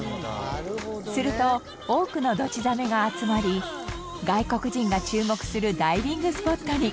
すると多くのドチザメが集まり外国人が注目するダイビングスポットに。